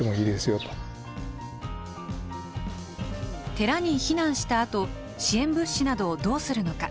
寺に避難したあと支援物資などをどうするのか。